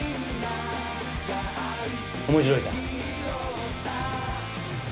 面白いか？